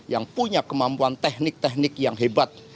yang punya kemampuan teknik teknik yang hebat